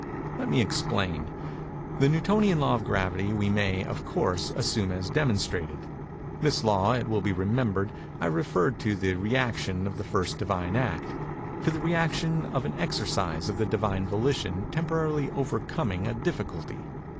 Let me explain:—The Newtonian Law of Gravity we may, of course, assume as demonstrated. This law, it will be remembered, I have referred to the rëaction of the first Divine Act—to the rëaction of an exercise of the Divine Volition temporarily overcoming a difficulty.